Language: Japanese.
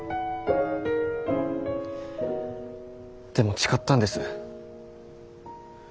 でも誓ったんです。